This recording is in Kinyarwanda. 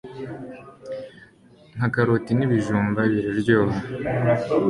nka karoti n'ibijumba biraryoha